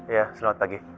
iya selamat pagi